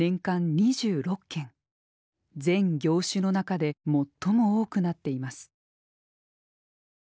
全業種の中で最も多くなっています。